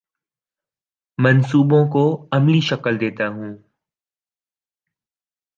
منصوبوں کو عملی شکل دیتا ہوں